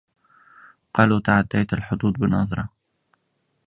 قالوا تعديت الحدود بنظرة